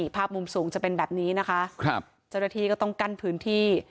ภาพมุมสูงจะเป็นแบบนี้นะคะครับเจ้าหน้าที่ก็ต้องกั้นพื้นที่